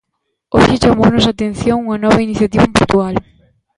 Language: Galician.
Hoxe chamounos a atención unha nova iniciativa en Portugal.